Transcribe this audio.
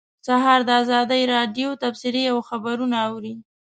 سهار د ازادۍ راډیو تبصرې او خبرونه اوري.